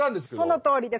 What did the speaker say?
そのとおりです。